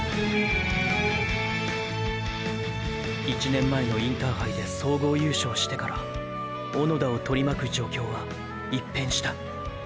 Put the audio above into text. １年前のインターハイで総合優勝してから小野田をとりまく状況は一変した。